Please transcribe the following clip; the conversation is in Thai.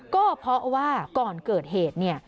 ก็เพราะว่าก่อนเกิดเหตุ